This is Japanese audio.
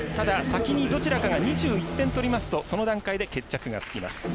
どちらかが２１点を取るとその段階で決着がつきます。